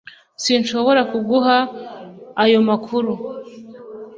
Sinshobora kuguha ayo makuru